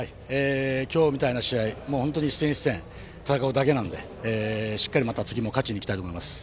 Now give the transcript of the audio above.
今日みたいな試合一戦一戦戦うだけなのでしっかりまた次も勝ちに行きたいと思います。